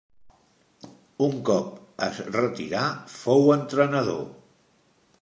Un cop es retirà fou entrenador.